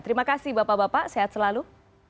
terima kasih bapak bapak sehat selalu